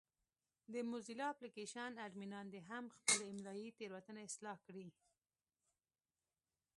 د موزیلا اپلېکشن اډمینان دې هم خپلې املایي تېروتنې اصلاح کړي.